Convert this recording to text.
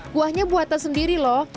kuahnya buatan sendiri loh